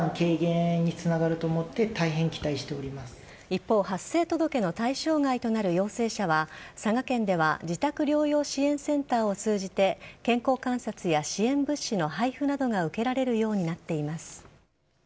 一方、発生届の対象外となる陽性者は佐賀県では自宅療養支援センターを通じて健康観察や支援物資の配布や受けられるようになっています。